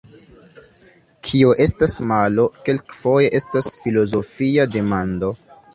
Kio estas malo, kelkfoje estas filozofia demando.